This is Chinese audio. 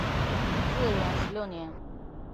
至元十六年。